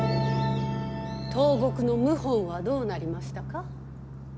東国の謀反はどうなりましたか。